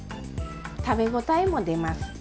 食べ応えも出ます。